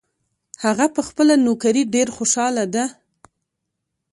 هغه په خپله نوکري ډېر خوشحاله ده